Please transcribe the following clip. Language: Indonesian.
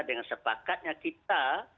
dengan sepakatnya kita